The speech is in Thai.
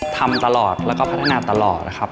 ทำตลอดแล้วก็พัฒนาตลอดนะครับ